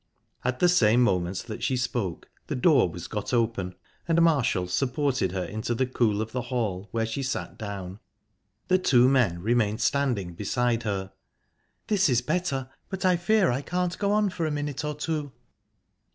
At the same moment that she spoke, the door was got open, and Marshall supported her into the cool of the hall, where she sat down. The two men remained standing beside her. "This is better, but I fear I can't go on for a minute or two."